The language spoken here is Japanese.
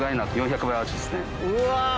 うわ！